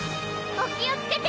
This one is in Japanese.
お気を付けて！